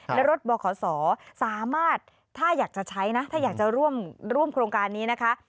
และรถบขสามารถถ้าอยากจะใช้นะถ้าอยากจะร่วมโครงการนี้นะคะ